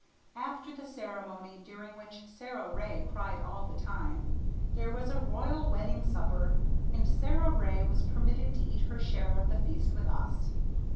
After the ceremony during which Sara Ray cried all the time there was a royal wedding supper, and Sara Ray was permitted to eat her share of the feast with us.